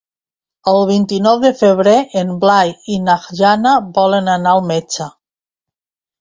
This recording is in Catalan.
El vint-i-nou de febrer en Blai i na Jana volen anar al metge.